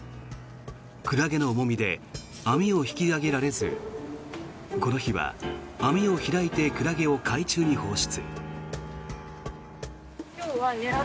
クラゲの重みで網を引き揚げられずこの日は網を開いてクラゲを海中に放出。